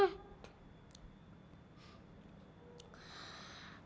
ya allah aku berdoa kepada tuhan